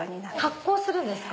発光するんですか？